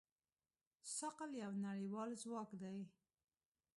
ثقل یو نړیوال ځواک دی.